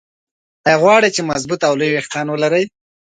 ايا غواړئ چې مضبوط او لوى ويښتان ولرى؟